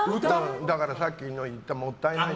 さっき言った、もったいない。